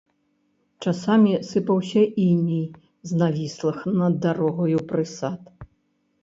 Часамі сыпаўся іней з навіслых над дарогаю прысад.